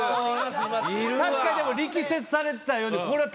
確かにでも力説されてたように。